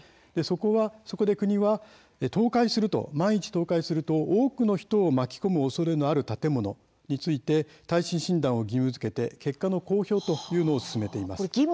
そこで国は万一、倒壊すると多くの人を巻き込むおそれがある建物について耐震診断を義務づけて結果の公表を進めています。